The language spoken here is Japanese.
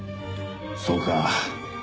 そうか。